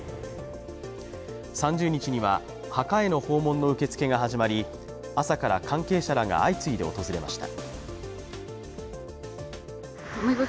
３０日には墓への訪問の受け付けが始まり、朝から関係者らが相次いで訪れました。